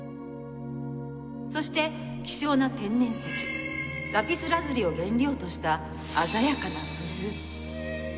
そして希少な天然石「ラピスラズリ」を原料とした鮮やかなブルー。